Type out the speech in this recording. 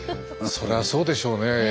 それはそうでしょうねえ。